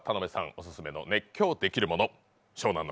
オススメの熱狂できるもの、湘南乃